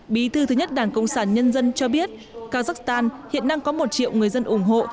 bí thư thứ nhất đảng cộng sản nhân dân cho biết kazakhstan hiện đang có một triệu người dân ủng hộ